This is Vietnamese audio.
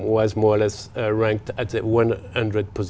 với những kết quả này